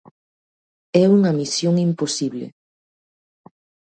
É unha misión imposible.